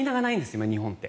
今、日本って。